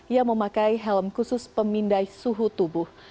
yang memakai helm khusus pemindai suhu tubuh